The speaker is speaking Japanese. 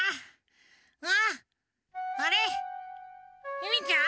ゆめちゃん？